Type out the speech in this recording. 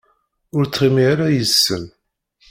Ur ttɣimi ara yid-sen.